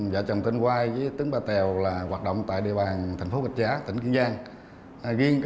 vợ chồng tên quai với tướng bà tèo hoạt động tại địa bàn thành phố bạch giá tỉnh kiên giang